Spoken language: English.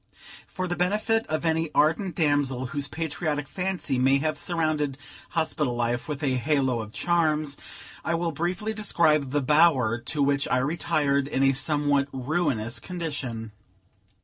For the benefit of any ardent damsel whose patriotic fancy may have surrounded hospital life with a halo of charms, I will briefly describe the bower to which I retired, in a somewhat ruinous condition.